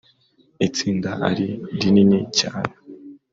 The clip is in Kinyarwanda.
Itsinda ari rinini cyane